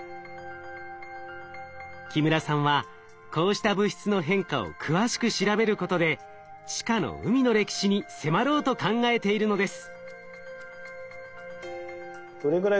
木村さんはこうした物質の変化を詳しく調べることで地下の海の歴史に迫ろうと考えているのです。